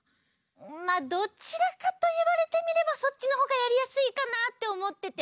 まあどちらかといわれてみればそっちのほうがやりやすいかなっておもってて。